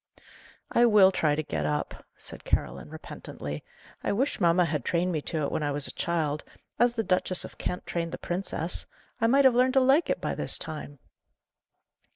"I will try and get up," said Caroline, repentantly. "I wish mamma had trained me to it when I was a child, as the Duchess of Kent trained the princess! I might have learned to like it by this time."